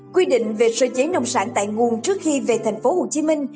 quy định về sơ chế nông sản tại nguồn trước khi về thành phố hồ chí minh